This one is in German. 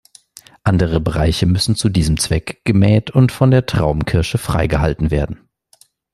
Andere Bereiche müssen zu diesem Zweck gemäht und von der Traubenkirsche frei gehalten werden.